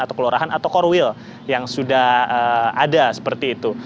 atau kelurahan atau core will yang sudah ada seperti itu